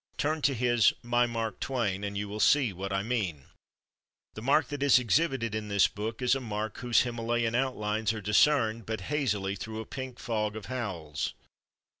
Turn to his "My Mark Twain" and you will see what I mean. The Mark that is exhibited in this book is a Mark whose Himalayan outlines are discerned but hazily through a pink fog of Howells.